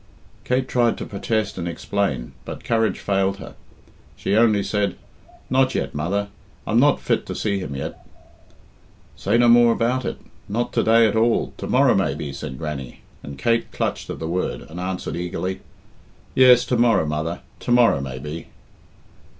Kate tried to protest and explain, but courage failed her. She only said, "Not yet, mother. I'm not fit to see him yet." "Say no more about it. Not to day at all to morrow maybe," said Grannie, and Kate clutched at the word, and answered eagerly "Yes, tomorrow, mother; to morrow maybe."